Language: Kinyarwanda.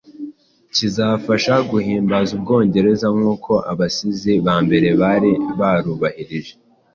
kizafasha guhimbaza Ubwongereza nk'uko abasizi ba mbere bari barubahirije